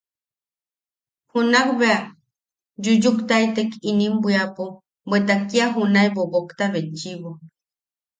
Junak bea yuyuktaitek inim bwiapo, bweta kia junae bobokta betchiʼibo.